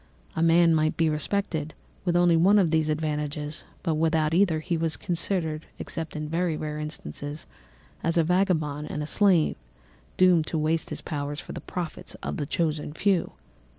A man might be respected with only one of these advantages, but without either he was considered, except in very rare instances, as a vagabond and a slave, doomed to waste his powers for the profits of the chosen few!